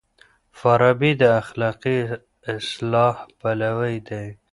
فارابي د اخلاقي اصلاح پلوی دی.